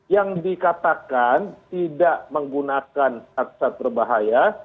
yang dikatakan tidak menggunakan aksat berbahaya